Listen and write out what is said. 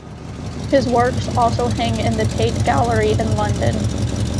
His works also hang in the Tate Gallery in London.